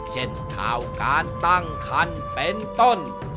เช่นข่าวการตั้งคันเป็นต้น